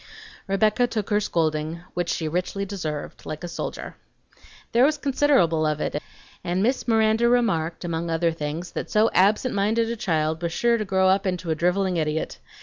Rebecca took her scolding (which she richly deserved) like a soldier. There was considerable of it, and Miss Miranda remarked, among other things, that so absent minded a child was sure to grow up into a driveling idiot.